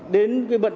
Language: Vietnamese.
đến cái bận thứ ba